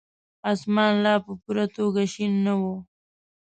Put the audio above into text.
اسمان لا په پوره توګه شين نه وو.